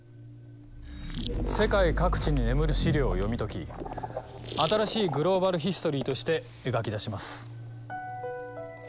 世界各地に眠る史料を読み解き新しいグローバル・ヒストリーとして描き出します。